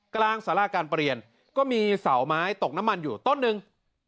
กลางสาราการประเรียนก็มีเสาไม้ตกน้ำมันอยู่ต้นนึง